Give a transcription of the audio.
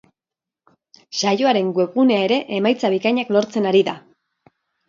Saioaren webgunea ere emaitza bikainak lortzen ari da.